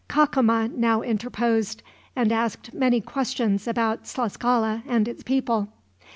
Cacama now interposed, and asked many questions about Tlascala and its people.